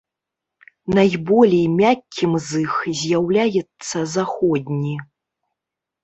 Найболей мяккім з іх з'яўляецца заходні.